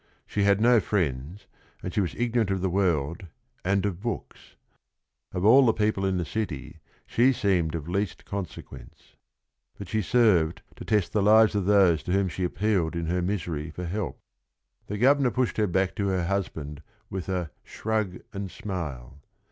She had no friends, and she was igno rant of the world and of books. Of all the peo ple in the city she seemed of least consequence. But she served to test the lives of those to whom she appealed in her misery for help. The Gov ernor pushed her back to her husband with a "shrug and smile."